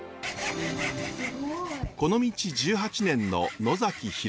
この道１８年の野崎博之さん。